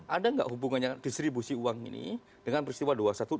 ada nggak hubungannya distribusi uang ini dengan peristiwa dua puluh satu dua puluh dua dua puluh tiga